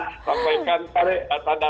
sampaikan data data sepak bola